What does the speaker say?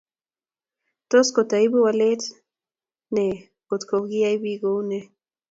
tos koto ibuu walet nee ngot ko kiyai biik kou noee?